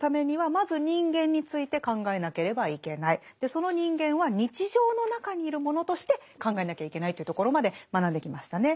その人間は日常の中にいるものとして考えなきゃいけないというところまで学んできましたね。